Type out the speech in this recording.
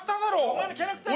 お前のキャラクター。